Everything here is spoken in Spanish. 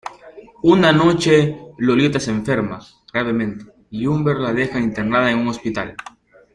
Una noche, Lolita se enferma gravemente y Humbert la deja internada en un hospital.